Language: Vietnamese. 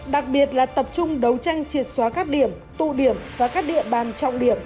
đặc biệt là tập trung đấu tranh triệt xóa các điểm tụ điểm và các địa bàn trọng điểm